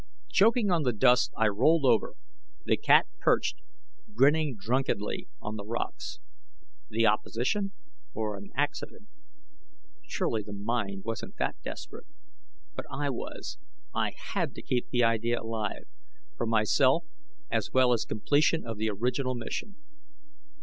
Choking on the dust, I rolled over. The cat perched, grinning drunkenly, on the rocks. The opposition or an accident? Surely the Mind wasn't that desperate. But I was; I had to keep the idea alive, for myself as well as completion of the original mission.